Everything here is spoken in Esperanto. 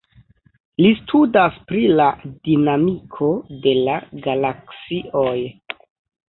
Li studas pri la dinamiko de la galaksioj.